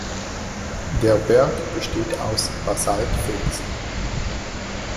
Der Berg besteht aus Basaltfelsen.